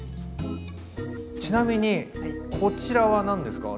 ちなみにこちらは何ですか？